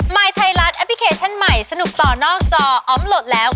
ยไทยรัฐแอปพลิเคชันใหม่สนุกต่อนอกจออมโหลดแล้ว